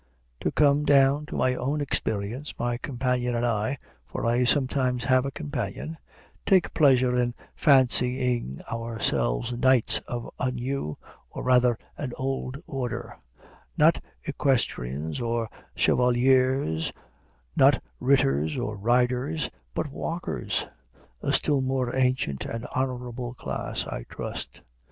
To come down to my own experience, my companion and I, for I sometimes have a companion, take pleasure in fancying ourselves knights of a new, or rather an old, order, not Equestrians or Chevaliers, not Ritters or riders, but Walkers, a still more ancient and honorable class, I trust.